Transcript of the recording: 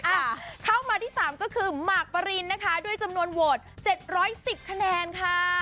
อ่ะเข้ามาที่๓ก็คือหมากปรินนะคะด้วยจำนวนโหวต๗๑๐คะแนนค่ะ